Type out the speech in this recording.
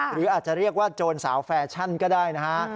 หรืออาจจะเรียกว่าโจรสาวแฟชั่นก็ได้นะฮะ